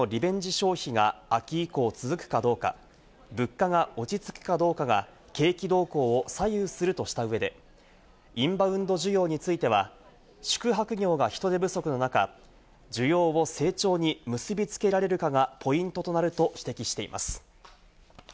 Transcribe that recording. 消費が秋以降、続くかどうか、物価が落ち着くかどうかが、景気動向を左右するとした上で、インバウンド需要については、宿泊業が人手不足の中、需要を成長に結び付けられるかがポイントとなると指摘しています。